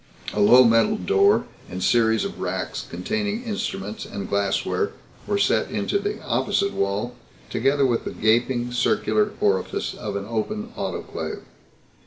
A low metal door and series of racks containing instruments and glassware were set into the opposite wall together with the gaping circular orifice of an open autoclave.